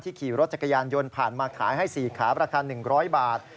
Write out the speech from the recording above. ขี่รถจักรยานยนต์ผ่านมาขายให้๔ขาราคา๑๐๐บาท